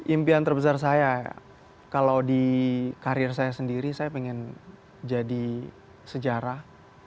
impian terbesar saya kalau di karir saya sendiri saya pengen jadi sejarah